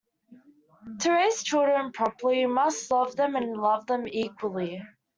"To raise children properly, we must love them and love them equally".